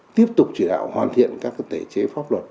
tiếp tục chỉ đạo hoàn thiện các thể chế pháp luật